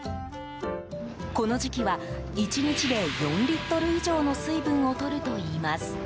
この時期は１日で４リットル以上の水分をとるといいます。